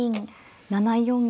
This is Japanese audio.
７四銀。